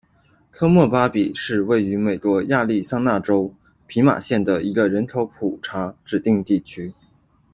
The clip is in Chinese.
科莫巴比是位于美国亚利桑那州皮马县的一个人口普查指定地区。